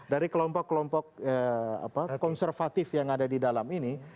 dari kelompok kelompok konservatif yang ada di dalam ini